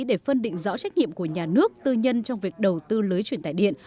để phân định rõ trách nhiệm của nhà nước tư nhân trong việc đầu tư lưới truyền tài điện